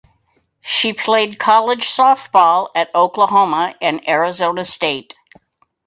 She played college softball at Oklahoma and Arizona State.